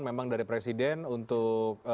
memang dari presiden untuk